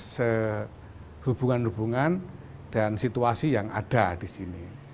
itu adalah pandangan saya pribadi melihat konteks hubungan hubungan dan situasi yang ada di sini